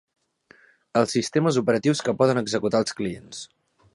Els sistemes operatius que poden executar els clients.